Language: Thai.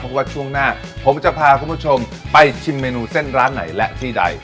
เพราะว่าช่วงหน้าผมจะพาคุณผู้ชมไปชิมเมนูเส้นร้านไหนและที่ใด